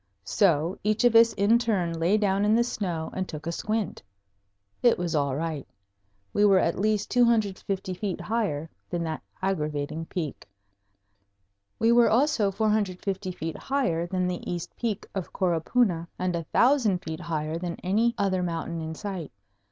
So each of us in turn lay down in the snow and took a squint. It was all right. We were at least 250 feet higher than that aggravating peak. We were also 450 feet higher than the east peak of Coropuna, and a thousand feet higher than any other mountain in sight.